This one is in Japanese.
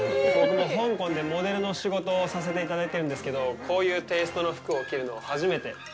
僕も香港でモデルの仕事をさせていただいてるんですけど、こういうテーストの服を着るのは初めて。